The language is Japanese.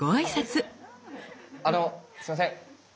あのすいません。